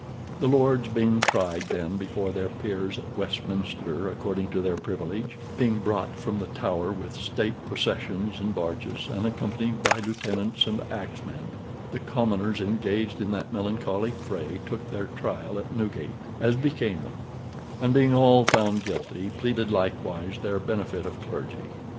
The lords being tried then before their peers at Westminster, according to their privilege, being brought from the Tower with state processions and barges, and accompanied by lieutenants and axe men, the commoners engaged in that melancholy fray took their trial at Newgate, as became them; and, being all found guilty, pleaded likewise their benefit of clergy.